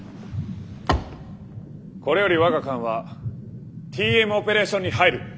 これより我が艦はＴＭオペレーションに入る！